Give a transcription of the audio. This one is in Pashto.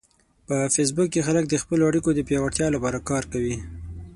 په فېسبوک کې خلک د خپلو اړیکو د پیاوړتیا لپاره کار کوي